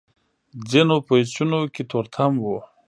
ځينو پېچونو کې تورتم و.